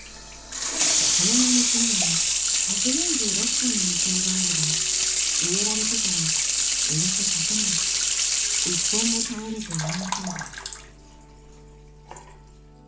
この並木には１４６本の銀杏があるが植えられてからおよそ１００年一本も倒れていないそうだ。